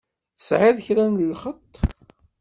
Tesɛiḍ kra n lxeṭṭ?